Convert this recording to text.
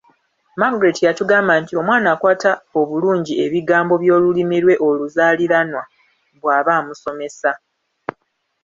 Margret yatugamba nti omwana akwata obulungi ebigambo by'Olulimi lwe oluzaaliranwa bw'aba amusomesa.